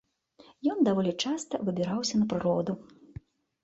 Ён даволі часта выбіраўся на прыроду.